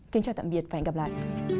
kính chào tạm biệt và hẹn gặp lại